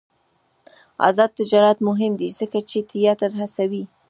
آزاد تجارت مهم دی ځکه چې تیاتر هڅوي.